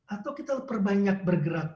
atau kita perbanyak bergerak